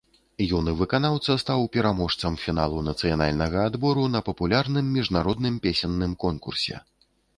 Юны выканаўца стаў пераможцам фіналу нацыянальнага адбору на папулярным міжнародным песенным конкурсе.